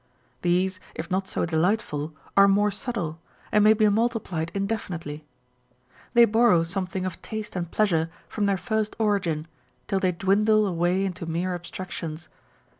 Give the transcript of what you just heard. These, if not so delightful, are more subtle, and may be nultiplied indefinitely. They borrow something of taste and pleasure from their first origin, till they dwindle away into mere abstractions.